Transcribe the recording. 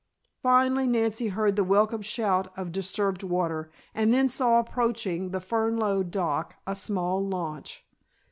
Finally, Nancy heard the welcome sound of disturbed water, and then saw approaching the Fernlode dock, a small launch.